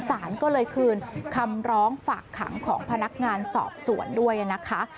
สารก็เลยคืนคำร้องฝากขังของพนักงานสอบสวนด้วยนะคะ